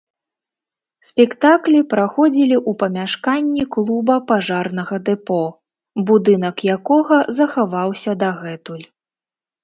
Спектаклі праходзілі ў памяшканні клуба пажарнага дэпо, будынак якога захаваўся дагэтуль.